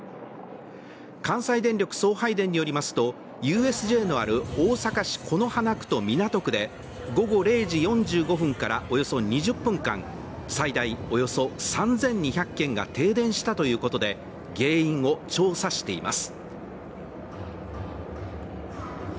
関西電力送配電によりますとＵＳＪのある大阪市此花区と港区で午後０時４５分からおよそ２０分間、最大およそ３２００軒が停電したということで原因を調査しています。